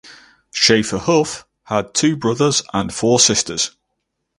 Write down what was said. Schaeffer Huff had two brothers and four sisters.